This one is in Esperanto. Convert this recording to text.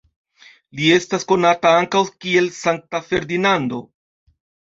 Li estas konata ankaŭ kiel Sankta Ferdinando.